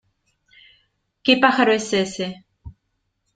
¿ qué pájaro es ese?...